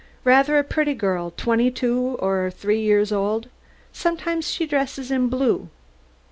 "Rather a pretty girl, twenty two or three years old? Sometimes she dresses in blue?"